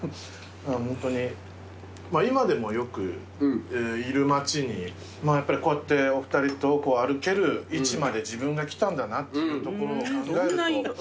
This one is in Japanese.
ホントにまぁ今でもよくいる町にやっぱりこうやってお二人と歩ける位置まで自分がきたんだなっていうところを考えると。